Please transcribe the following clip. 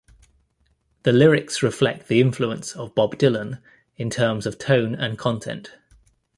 The lyrics reflect the influence of Bob Dylan, in terms of tone and content.